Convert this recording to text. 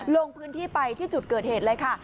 ลงพื้นที่ไปที่จุดเกิดเหตุเลยค่ะ